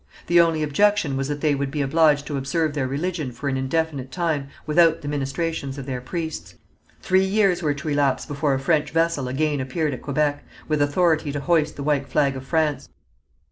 The only objection was that they would be obliged to observe their religion for an indefinite time without the ministrations of their priests. Three years were to elapse before a French vessel again appeared at Quebec, with authority to hoist the white flag of France.